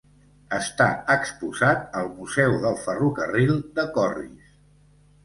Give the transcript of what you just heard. Està exposat al museu del ferrocarril de Corris.